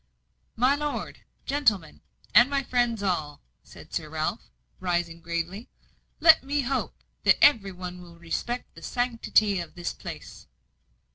"My lord, gentlemen, and my friends all," said Sir Ralph, rising gravely, "let me hope that every one will respect the sanctity of this place."